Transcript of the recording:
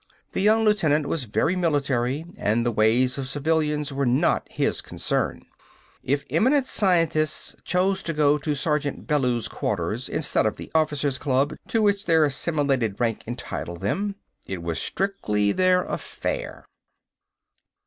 The young lieutenant was very military, and the ways of civilians were not his concern. If eminent scientists chose to go to Sergeant Bellews' quarters instead of the Officers Club, to which their assimilated rank entitled them, it was strictly their affair.